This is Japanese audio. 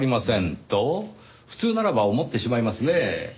と普通ならば思ってしまいますねぇ。